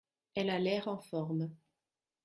Elle a l’air en forme.